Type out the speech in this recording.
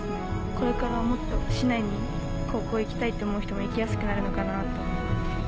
これからもっと市内に高校行きたいと思う人も行きやすくなるのかなと。